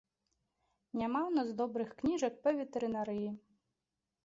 Няма ў нас добрых кніжак па ветэрынарыі.